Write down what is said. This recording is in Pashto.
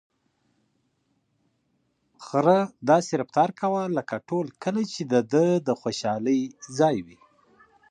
خر داسې رفتار کاوه لکه ټول کلي چې د ده د خوشحالۍ ځای وي.